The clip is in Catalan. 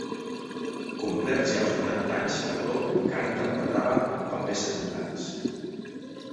Complerts ja els vuitanta anys, l'actor encara interpretava papers secundaris.